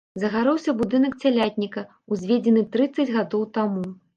Загарэўся будынак цялятніка, узведзены трыццаць гадоў таму.